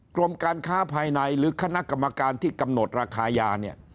กรมการค้าภายในหรือคณะกรรมการที่กำหนดราคายาเนี่ย